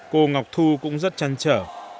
cô ngọc thu cũng rất chăn trở